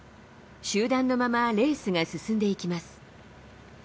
集団のままレースが進んでいきます。